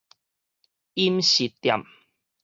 飲食店